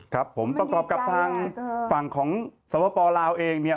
ครับผมประกอบกับฝั่งของสวพปลาวเอง